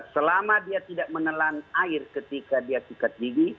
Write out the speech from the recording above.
selama dia tidak menelan air ketika dia tingkat gigi